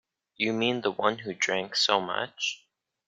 You mean the one who drank so much?